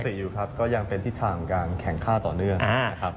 อยู่ครับก็ยังเป็นทิศทางการแข่งค่าต่อเนื่องนะครับ